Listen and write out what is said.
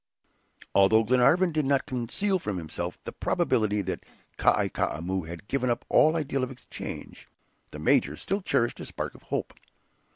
Although Glenarvan did not conceal from himself the probability that Kai Koumou had given up all idea of exchange, the Major still cherished a spark of hope.